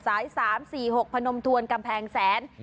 สาย๓๔๖พนมทวนกำแพงแสน